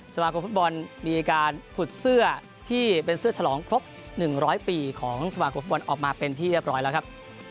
สมาคมฟุตบอลมีการผุดเสื้อที่เป็นเสื้อฉลองครบ๑๐๐ปีของสมาคมฟุตบอลออกมาเป็นที่เรียบร้อยแล้วครับ